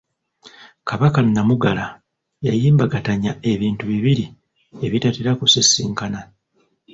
Kabaka Namugala yayimbagatanya ebintu bibiri ebitatera kusisinkana.